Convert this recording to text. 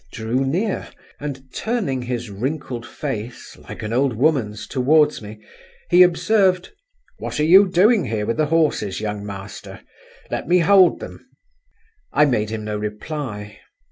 drew near, and turning his wrinkled face, like an old woman's, towards me, he observed, "What are you doing here with the horses, young master? Let me hold them." I made him no reply.